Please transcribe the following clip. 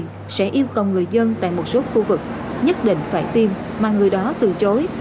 sẽ yêu cầu người dân tại một số khu vực nhất định phải tiêm mà người đó từ chối